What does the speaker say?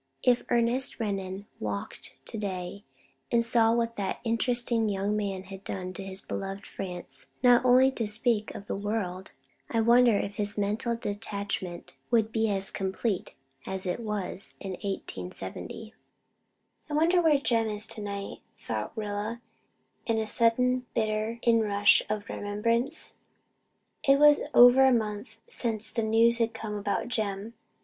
If Ernest Renan 'walked' today and saw what that interesting young man had done to his beloved France, not to speak of the world, I wonder if his mental detachment would be as complete as it was in 1870." "I wonder where Jem is tonight," thought Rilla, in a sudden bitter inrush of remembrance. It was over a month since the news had come about Jem.